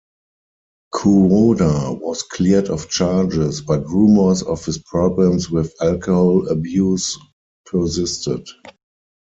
Kuroda was cleared of charges, but rumors of his problems with alcohol abuse persisted.